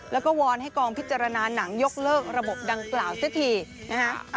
แล้วก็วอนให้กองพิจารณาหนังยกเลิกระบบดังกล่าวเสียทีนะฮะ